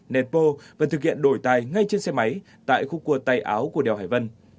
nét pô vẫn thực hiện đổi tay ngay trên xe máy tại khu cuộc tay áo của đèo hải vân